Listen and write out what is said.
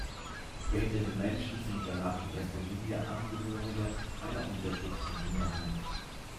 Behinderte Menschen sind danach in erster Linie Angehörige einer unterdrückten Minderheit.